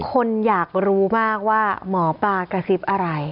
คนอยากรู้มากว่าหมอปลากระซิบอะไร